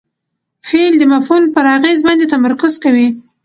فعل د مفعول پر اغېز باندي تمرکز کوي.